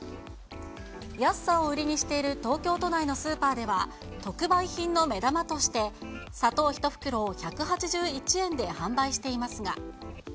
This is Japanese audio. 安さを売りにしている東京都内のスーパーでは、特売品の目玉として、砂糖１袋を１８１円で販売していますが。